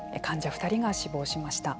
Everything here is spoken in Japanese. ２人が死亡しました。